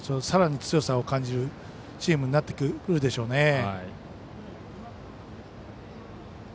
さらに強さを感じるチームになってくるでしょうね。